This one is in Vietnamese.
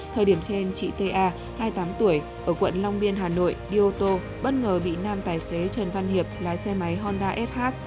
thời điểm trên chị ta hai mươi tám tuổi ở quận long biên hà nội đi ô tô bất ngờ bị nam tài xế trần văn hiệp lái xe máy honda sh